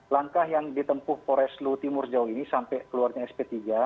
langkah yang ditempuh polres lutimur sejauh ini sampai keluarnya sp tiga